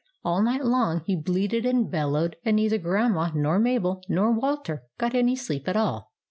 All night long he bleated and bel lowed, and neither Grandma, nor Mabel, nor Walter got any sleep at all.